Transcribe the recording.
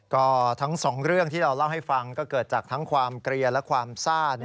ก็ทั้งสองเรื่องที่เราเล่าให้ฟังก็เกิดจากทั้งความเกลียและความซ่า